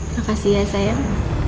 makasih ya sayang